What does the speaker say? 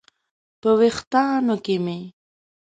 په ویښتانو کې مې